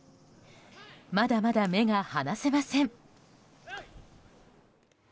まだまだ目が離せません。